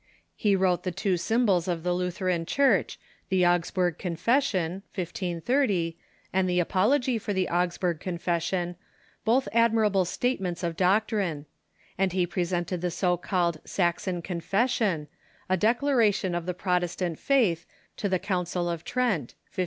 He wrote the two symbols of the Lutheran Church, the Augsburg Confession (1530) and the Apology for the Augsburg Confession, both admirable statements of doctrine ; and he presented the so called Saxon Confession, a 232 THE KEFORMATIOX declaration of the Protestant faith, to the Council of Trent (1551).